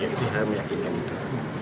jadi kita meyakinkan itu